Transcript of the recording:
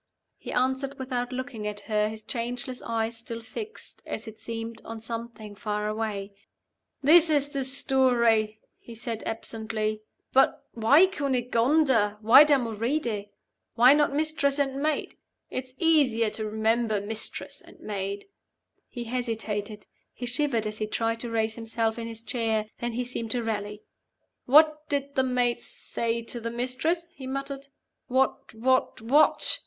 He answered without looking at her, his changeless eyes still fixed, as it seemed, on something far away. "This is the story," he said, absently. "But why Cunegonda? why Damoride? Why not Mistress and Maid? It's easier to remember Mistress and Maid " He hesitated; he shivered as he tried to raise himself in his chair. Then he seemed to rally "What did the Maid say to the Mistress?" he muttered. "What? what? what?"